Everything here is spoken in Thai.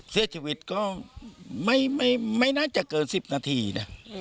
เสียชีวิตก็ไม่น่าจะเกิน๑๐นาทีนะ